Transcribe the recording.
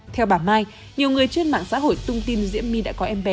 theo bà mai nhiều người trên mạng xã hội tung tin diễm my đã có em bé